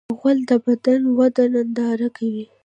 غول د بدن وده ننداره کوي.